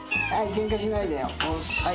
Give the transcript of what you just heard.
ケンカしないでよ。